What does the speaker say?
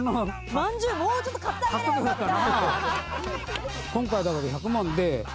まんじゅうもうちょっと買ってあげりゃよかった。